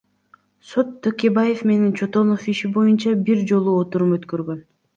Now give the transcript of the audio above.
Сот Текебаев менен Чотоновдун иши боюнча бир жолу отурум өткөргөн.